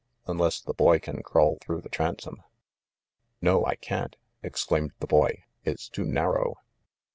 "Unless the boy can crawl through the transom." "No, I can't !" exclaimed the boy. "It's too narrow."